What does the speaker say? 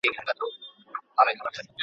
د دنیا په هیڅ ځای کي !.